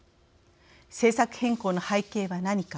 政策変更の背景は何か。